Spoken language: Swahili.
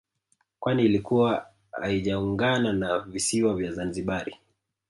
Kwani ilikuwa haijaungana na visiwa vya Zanzibari